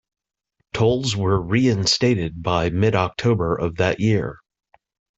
Tolls were reinstated by mid-October of that year.